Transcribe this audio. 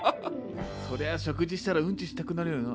そりゃあ食事したらウンチしたくなるよな。